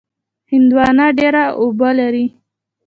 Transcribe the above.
هندوانه ډېره اوبه لري.